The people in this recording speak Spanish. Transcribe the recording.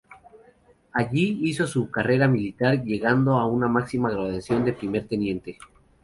Allí hizo su carrera militar llegando a una máxima graduación de Primer Teniente.